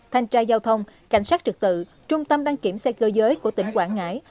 thanh tra giao thông cảnh sát trực tự trung tâm đăng kiểm xe cơ giới của tỉnh quảng ngãi